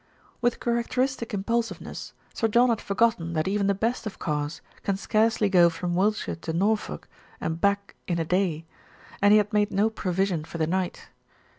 With characteristic impulsiveness, Sir John had for gotten that even the best of cars can scarcely go from Wiltshire to Norfolk and back in a day, and he had made no provision for the night.